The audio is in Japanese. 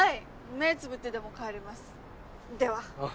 目つぶってでも帰れますでは。